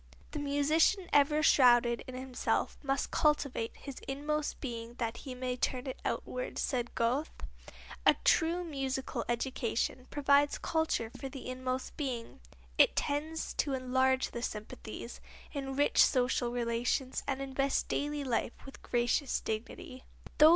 "The musician ever shrouded in himself must cultivate his inmost being that he may turn it outward," said Goethe. A true musical education provides culture for the inmost being. It tends to enlarge the sympathies, enrich social relations and invest daily life with gracious dignity.